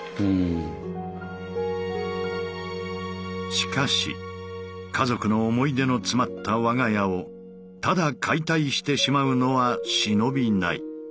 しかし家族の思い出のつまった我が家をただ解体してしまうのは忍びない。